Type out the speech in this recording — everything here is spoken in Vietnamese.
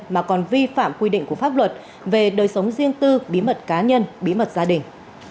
mà còn vi phạm quy định của pháp luật về đời sống riêng tư bí mật cá nhân bí mật gia đình